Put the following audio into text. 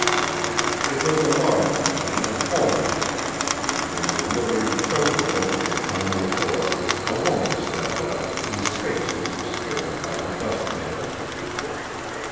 It was a large machine of foreign make and, when the liveried chauffeur opened the tonneau door, a woman stepped out whose face was obscured by her dust veils.